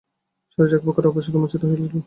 শরীর একপ্রকার আবেশে রোমাঞ্চিত হইয়া উঠিল।